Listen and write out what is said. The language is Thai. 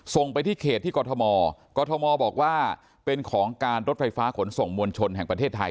ส่งไปที่เขตที่กรทมกรทมบอกว่าเป็นของการรถไฟฟ้าขนส่งมวลชนแห่งประเทศไทย